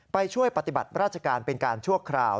ไปช่วยปฏิบัติราชการเป็นการชั่วคราว